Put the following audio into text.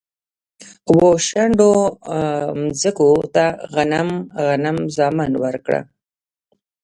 و، شنډو مځکوته غنم، غنم زامن ورکړه